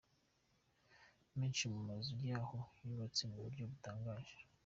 Menshi mu mazu yaho yubatse mu buryo butangaje.